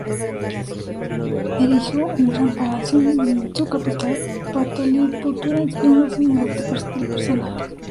Erigió un gran palacio en su capital, Pataliputra, inspirándose en el arte persa.